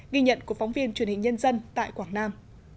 ghi nhận của phóng viên truyền hình nhân dân tại quảng nam